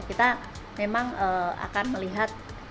kita memang akan melihat